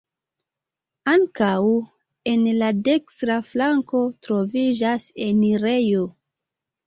Ankaŭ en la dekstra flanko troviĝas enirejo.